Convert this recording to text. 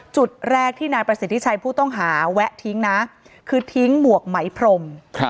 จุดแรกที่นายประสิทธิชัยผู้ต้องหาแวะทิ้งนะคือทิ้งหมวกไหมพรม